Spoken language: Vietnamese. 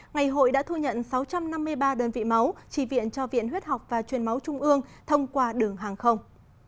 ngày hội đã thu nhận sáu trăm năm mươi ba đơn vị máu chỉ viện cho viện huyết học và truyền máu trung ương thông qua đường hàng không